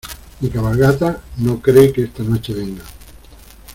ni cabalgata no cree que esta noche vengan